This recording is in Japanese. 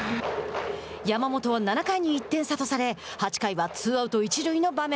山本は７回に１点差とされ８回はツーアウト、一塁の場面。